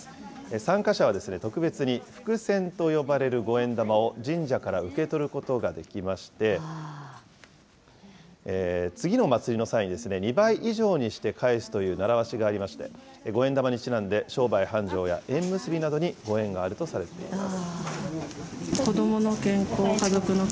参加者は特別に、福銭と呼ばれる五円玉を神社から受け取ることができまして、次の祭りの際に、２倍以上にして返すという習わしがありまして、五円玉にちなんで、商売繁盛や縁結びなどにご縁があるとされています。